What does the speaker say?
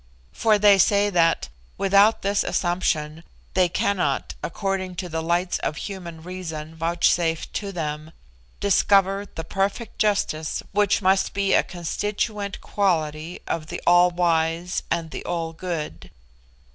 For they say that, without this assumption, they cannot, according to the lights of human reason vouchsafed to them, discover the perfect justice which must be a constituent quality of the All Wise and the All Good.